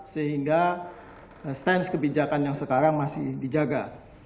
sehingga stance kebijakan yang sekarang masih dijaga